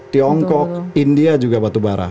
tiongkok india juga batubara